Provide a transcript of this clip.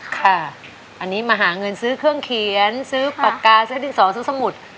ค่ะอันนี้มาหาเงินซื้อเครื่องเขียนซื้อปากกาซื้อดินสอซื้อสมุด